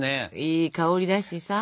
いい香りだしさ。